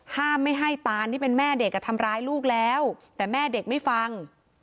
ห้ามไม่ให้ตานที่เป็นแม่เด็กทำร้ายลูกแล้วแต่แม่เด็กไม่ฟัง